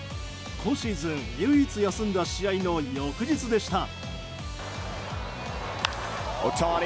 今シーズン唯一休んだ試合の翌日でした。